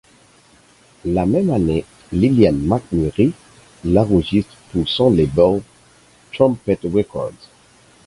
La même année Lillian McMurry, l'enregistre pour son label Trumpet Records.